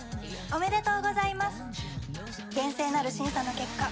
おめでとうございます。